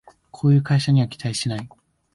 こういう会社には期待しない